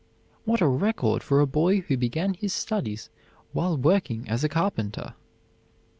What a record for a boy who began his studies while working as a carpenter!